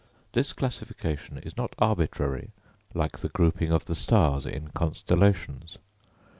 This classification is not arbitrary like the grouping of the stars in constellations.